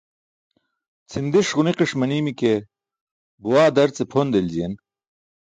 Cʰindiṣ ġunikiṣ manimi ke buwaa darcee pʰon deljiyen.